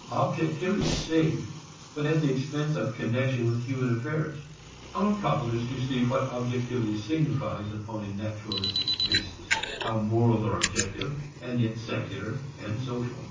Objectivity is saved but at the expense of connection with human affairs. Our problem is to see what objectivity signifies upon a naturalistic basis; how morals are objective and yet secular and social.